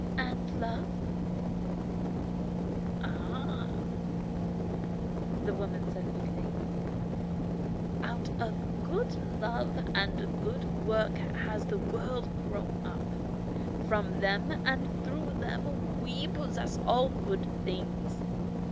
" And love "" Ah," the woman said quickly, " out of good love and good work has the world grown up ; from them and through them we possess all good things.